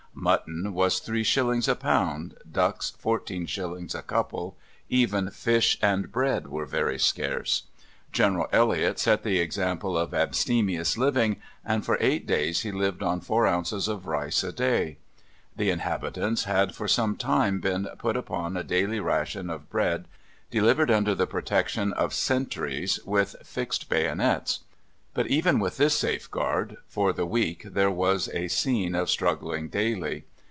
Mutton was three shillings a pound, ducks fourteen shillings a couple; even fish and bread were very scarce. General Elliot set the example of abstemious living, and for eight days he lived on 4 ounces of rice a day. The inhabitants had for some time been put upon a daily ration of bread, delivered under the protection of sentries with fixed bayonets. But even with this safeguard for the week there was a scene of struggling daily.